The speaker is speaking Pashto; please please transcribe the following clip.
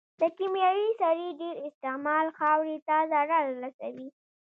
د کيمياوي سرې ډېر استعمال خاورې ته ضرر رسوي.